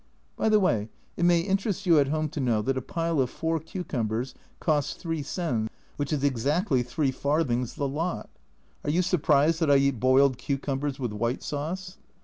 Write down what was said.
By the way, it may interest you at home to know that a pile of four cucumbers costs 3 sen, which is exactly 3 farthings the lot. Are you surprised that I eat boiled cucumbers with white sauce?